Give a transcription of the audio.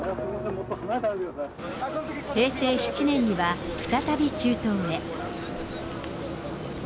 平成７年には再び中東へ。